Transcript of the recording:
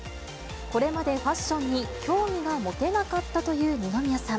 これまでファッションに興味が持てなかったという二宮さん。